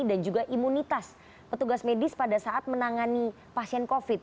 dan juga imunitas petugas medis pada saat menangani pasien covid